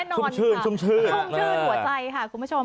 ชุ่มชื่นชุ่มชื่น